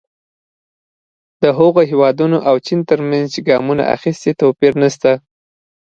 د هغو هېوادونو او چین ترمنځ چې ګامونه اخیستي توپیر نه شته.